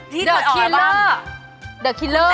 ที่เปิดออกแล้วบ้างเดอร์คิลเลอร์